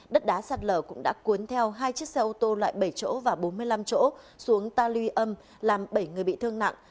đất đá sạt lở cũng đã cuốn theo hai chiếc xe ô tô loại bảy chỗ và bốn mươi năm chỗ xuống ta lưu âm làm bảy người bị thương nặng